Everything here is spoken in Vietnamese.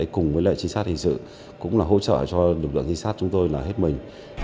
cùng với lại chi sát hình sự cũng là hỗ trợ cho lực lượng chi sát chúng tôi là hết mình